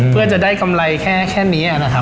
เพื่อจะได้กำไรแค่นี้นะครับ